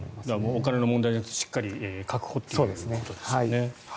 お金の問題じゃなくてしっかり確保ということですね。